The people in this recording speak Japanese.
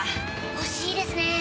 惜しいですねぇ。